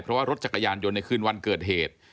เพราะว่ารถจักรยานยนต์ในคืนวันเกิดเหตุ